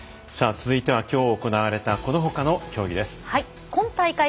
続いては、きょう行われたこのほかの競技です。